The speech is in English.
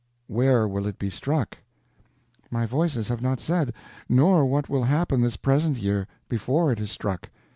"Where will it be struck?" "My Voices have not said; nor what will happen this present year, before it is struck.